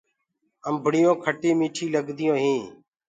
امڀڙيون کٽي ميٺي لگديٚونٚ هينٚ۔